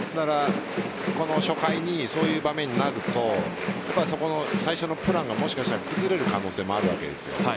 この初回にそういう場面になると最初のプランがもしかしたら崩れる可能性もあるわけです。